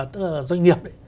tức là doanh nghiệp ấy